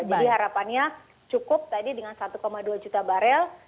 jadi harapannya cukup tadi dengan satu dua juta barel